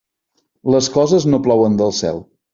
Les coses no plouen del cel.